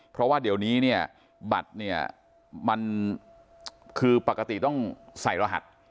เพราะว่าเดี๋ยวนี้เนี่ยบัตรเนี่ยมันคือปกติต้องใส่รหัส